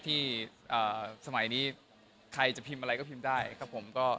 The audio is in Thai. สมัยนี้ใครจะพิมพ์อะไรก็พิมพ์ได้ครับผมก็